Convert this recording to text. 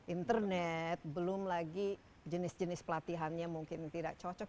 internet belum lagi jenis jenis pelatihannya mungkin tidak cocok